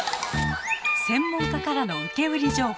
専門家からの受け売り情報。